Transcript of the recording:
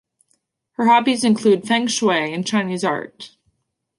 Her hobbies include Feng Shui and Chinese art.